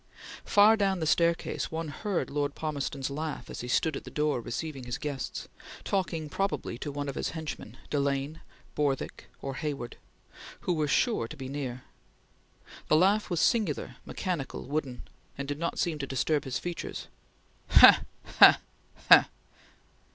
Far down the staircase one heard Lord Palmerston's laugh as he stood at the door receiving his guests, talking probably to one of his henchmen, Delane, Borthwick, or Hayward, who were sure to be near. The laugh was singular, mechanical, wooden, and did not seem to disturb his features. "Ha! ... Ha! ... Ha!"